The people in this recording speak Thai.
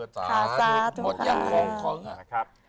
สาสาทุกค่ะ